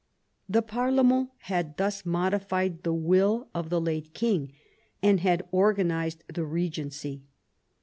The parlement had thus modified the will of the late king, and had organised the regency.